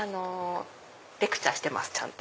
レクチャーしてますちゃんと。